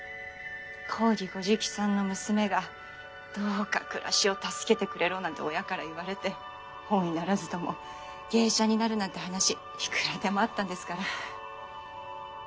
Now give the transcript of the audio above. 公儀ご直参の娘が「どうか暮らしを助けてくれろ」なんて親から言われて本意ならずとも芸者になるなんて話いくらでもあったんですから。